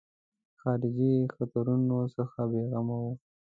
خارجي خطرونو څخه بېغمه وو.